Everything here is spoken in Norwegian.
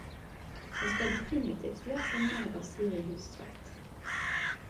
Eg skal definitivt lesa meir av Siri Hustvedt.